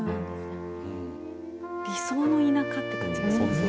理想の田舎って感じがしますね。